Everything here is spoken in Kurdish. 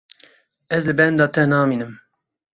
Ez li benda te namînim.